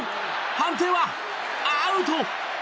判定はアウト！